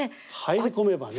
入り込めばね。